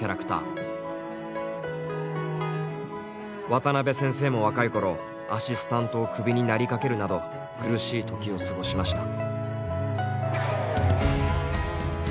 渡辺先生も若い頃アシスタントをクビになりかけるなど苦しい時を過ごしました。